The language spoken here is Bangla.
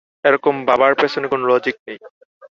এরকম ভাবার পেছনে কোন লজিক নেই।